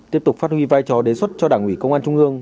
tiếp tục phát huy vai trò đề xuất cho đảng ủy công an trung ương